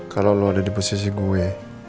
kalau lo ada di pesisi gue